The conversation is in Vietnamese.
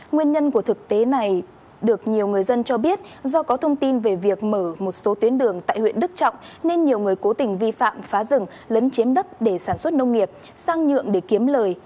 nguyên nhân của thực tế này được nhiều người dân cho biết do có thông tin về việc mở một số tuyến đường tại huyện đức trọng nên nhiều người cố tình vi phạm phá rừng lấn chiếm đất để sản xuất nông nghiệp sang nhượng để kiếm lời